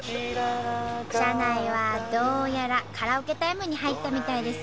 車内はどうやらカラオケタイムに入ったみたいですね。